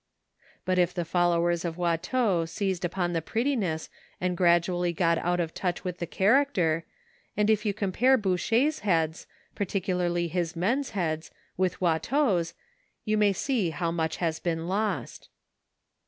But the followers of Watteau seized upon the prettiness and gradually got out of touch with the character, and if you compare Boucher's heads, particularly his men's heads, with Watteau's you may see how much has been lost.